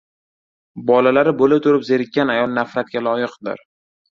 Bolalari bo‘la turib zerikkan ayol nafratga loyiqdir.